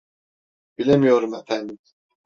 Bilemiyorum efendim.